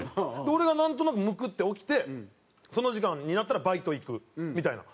俺がなんとなくムクッて起きてその時間になったらバイト行くみたいな。